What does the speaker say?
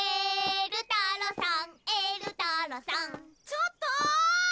・ちょっとー！